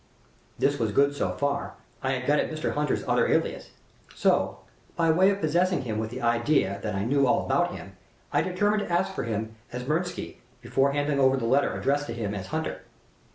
"This was good so far. I had got at 'Mr. Hunter's' other alias. So, by way of possessing him with the idea that I knew all about him, I determined to ask for him as Mirsky before handing over the letter addressed to him as Hunter.